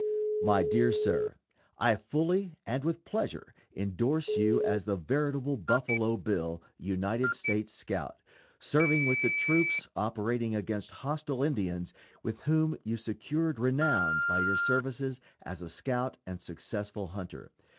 _ MY DEAR SIR: I fully, and with pleasure, indorse you as the veritable Buffalo Bill, United States scout, serving with the troops operating against hostile Indians, with whom you secured renown by your services as a scout and successful hunter.